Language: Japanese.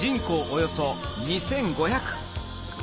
およそ２５００